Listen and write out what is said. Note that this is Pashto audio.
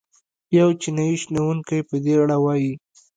یو چینايي شنونکی په دې اړه وايي.